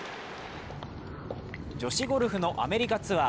女子ゴルフのアメリカツアー。